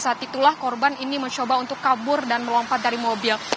saat itulah korban ini mencoba untuk kabur dan melompat dari mobil